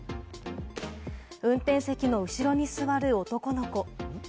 運転席の後ろに座る男の子。